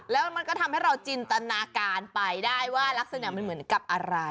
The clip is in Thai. แล้วมันก็ทำให้เราจินตนาการไปได้ว่ารักษณะมันเหมือนกับอะไร